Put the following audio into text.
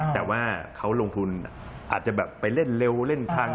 แต่ว่าเขาลงทุนอาจจะแบบไปเล่นเร็วเล่นทัน